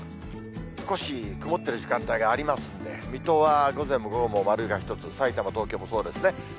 少し曇ってる時間帯がありますんで、水戸は午前も午後も丸が１つ、さいたま、東京もそうですね。